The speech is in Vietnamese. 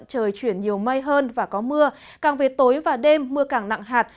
trời chuyển nhiều mây hơn và có mưa càng về tối và đêm mưa càng nặng hạt